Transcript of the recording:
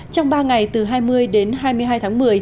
trong ba ngày từ hai mươi đến hai mươi hai tháng một mươi